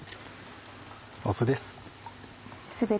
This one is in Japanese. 酢です。